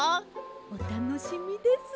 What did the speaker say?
おたのしみです。